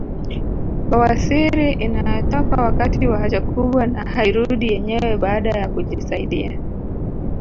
Bawasiri inayotoka wakati wa haja kubwa na hairudi yenyewe baada ya kujisaidia